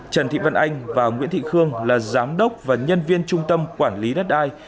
trần thị vân anh và nguyễn thị khương là giám đốc và nhân viên trung tâm quản lý đất đai